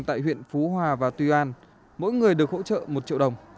tại huyện phú hòa và tuy an mỗi người được hỗ trợ một triệu đồng